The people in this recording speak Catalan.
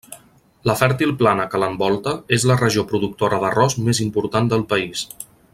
La fèrtil plana que l'envolta és la regió productora d'arròs més important del país.